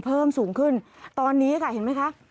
เพิ่มสูงขึ้นตอนนี้ค่ะเห็นไหมคะ